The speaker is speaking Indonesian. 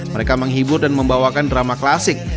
mereka menghibur dan membawakan drama klasik